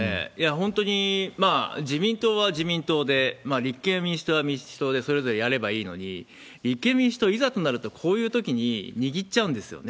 本当に自民党は自民党で、立憲民主党は立憲民主党でそれぞれやればいいのに、立憲民主党、いざとなると、こういうとき握っちゃうんですよね。